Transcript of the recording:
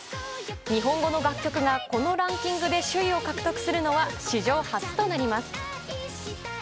日本語の楽曲がこのランキングで首位を獲得するのは史上初となります。